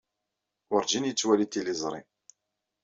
Werǧin yettwali tiliẓri.